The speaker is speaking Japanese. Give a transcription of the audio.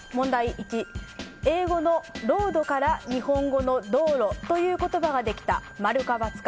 １、英語のロードから日本語の道路という言葉ができた、〇か×か。